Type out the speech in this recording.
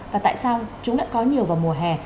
và tại sao chúng đã có nhiều vào mùa hè